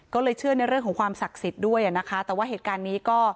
ก็เลยเชื่อในเรื่องของความศักดิ์สิทธิ์ด้วยอ่ะนะคะแต่ว่าเหตุการณ์นี้ก็